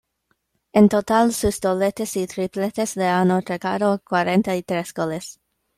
En total, sus dobletes y tripletes le han otorgado cuarenta y tres goles.